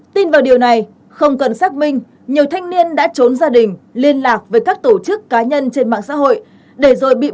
tin vào điều này không cần xác minh nhiều thanh niên đã trốn gia đình liên lạc với các tổ chức cá nhân trên mạng xã hội